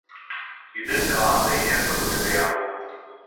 இது காந்த இயக்கு விசையாகும்.